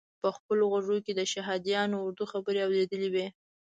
په خپلو غوږو یې د شهادیانو اردو خبرې اورېدلې وې.